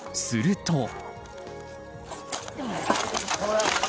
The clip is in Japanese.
すると。